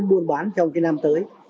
bán buôn bán trong cái năm tới